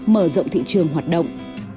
mở rộng thị trường hoạt động